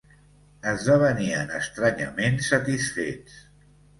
Esdevenien estranyament satisfets.